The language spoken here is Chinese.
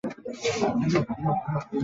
我们上车